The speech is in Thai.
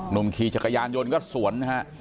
นมขี่จากรยานยนต์ก็สวน